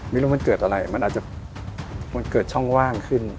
ไม่รู้มันเกิดอะไรมันอาจจะมันเกิดช่องว่างขึ้น